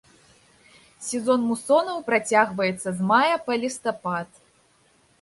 Сезон мусонаў працягваецца з мая па лістапад.